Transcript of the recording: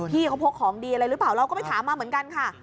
พี่เขาพกของดีอะไรหรือเปล่าเราก็ไปถามมาเหมือนกันค่ะ